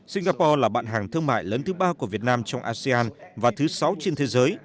singapore là bạn hàng thương mại lớn thứ ba của việt nam trong asean và thứ sáu trên thế giới